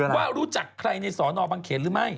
ว่ารู้จักใครในสอนอบังเขนหรือไม่